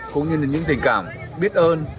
cũng như những tình cảm biết ơn